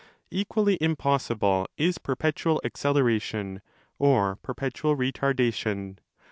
Equally impossible is perpetual acceleration or perpetual retardation.